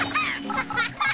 ハハハッ！